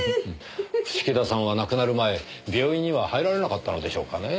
伏木田さんは亡くなる前病院には入られなかったのでしょうかねぇ。